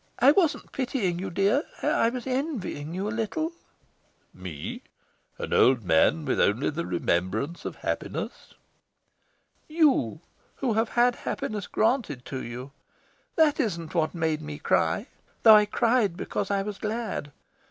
I wasn't pitying you, dear, I was envying you a little." "Me? an old man with only the remembrance of happiness?" "You, who have had happiness granted to you. That isn't what made me cry, though. I cried because I was glad.